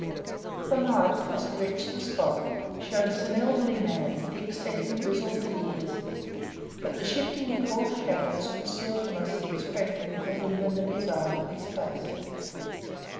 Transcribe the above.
The light, as it reached the spot, showed us an elderly man, thick set, and grizzled with years; but the shifting and coarse shadows concealed from us the expression and even the design of his face.